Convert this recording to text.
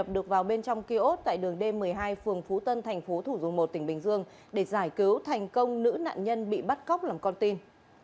được vào bên trong kiosk tại đường d một mươi hai phường phú tân thành phố thủ dầu một tỉnh bình dương để giải cứu thành công nữ nạn nhân bị bắt cóc làm con tin